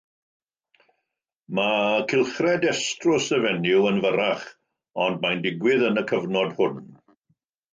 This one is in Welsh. Mae cylchred estrws y fenyw yn fyrrach, ond mae'n digwydd yn y cyfnod hwn.